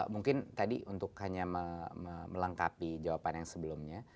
mungkin tadi untuk hanya melengkapi jawaban yang sebelumnya